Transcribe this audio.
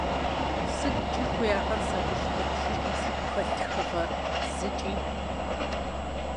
СыткӀи хуей ахэр сэ лӀыжь быркъшыркъым си гухэлъ тхыгъэ? ЗыкӀи!